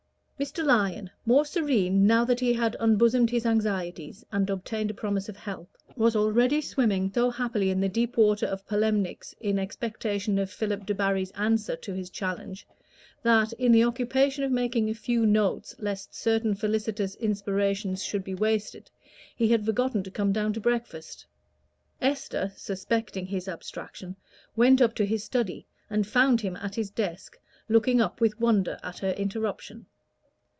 Mr. Lyon, more serene now that he had unbosomed his anxieties and obtained a promise of help, was already swimming so happily in the deep water of polemics in expectation of Philip Debarry's answer to his challenge, that, in the occupation of making a few notes lest certain felicitous inspirations should be wasted, he had forgotten to come down to breakfast. Esther, suspecting his abstraction, went up to his study, and found him at his desk looking up with wonder at her interruption.